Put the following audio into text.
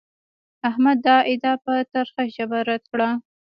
احمد دا ادعا په ترخه ژبه رد کړه.